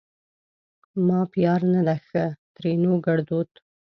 ما پیار نه ده ښه؛ ترينو ګړدود